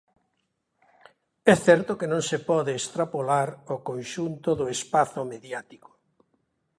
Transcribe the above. É certo que non se pode extrapolar ao conxunto do espazo mediático.